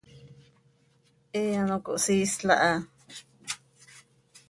He ano cohsiisl aha.